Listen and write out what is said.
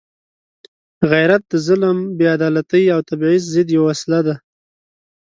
غیرت د ظلم، بېعدالتۍ او تبعیض ضد یوه وسله ده.